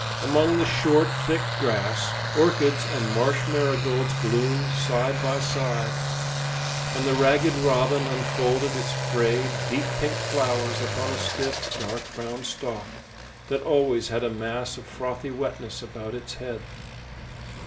Among the short, thick grass, orchids and marsh marigolds bloomed side by side, and the ragged robin unfolded its frayed, deep pink flowers upon a stiff, dark brown stalk, that always had a mass of frothy wetness about its head.